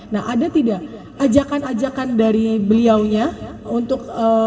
nah ada tidak ajakan ajakan dari beliaunya untuk